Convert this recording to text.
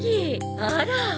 あら！